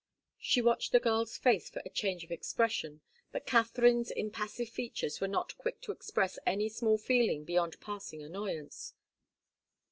She watched the girl's face for a change of expression, but Katharine's impassive features were not quick to express any small feeling beyond passing annoyance.